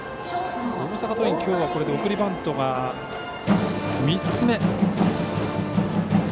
大阪桐蔭、今日はこれで送りバントが３つ目。